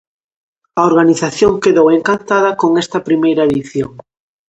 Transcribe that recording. A organización quedou encantada con esta primeira edición.